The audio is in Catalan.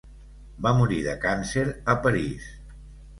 Va morir de càncer a París.